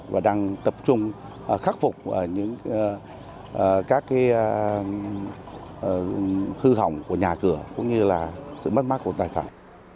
và đang tập trung khắc phục những các hư hỏng của nhà cửa cũng như là sự mất mát của tài sản